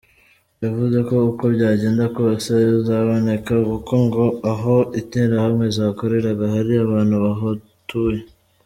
Yavuze ko uko byagenda kose izaboneka kuko ngo aho interahamwe zakoreraga hari abantu bahatuye.